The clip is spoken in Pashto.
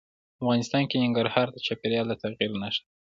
افغانستان کې ننګرهار د چاپېریال د تغیر نښه ده.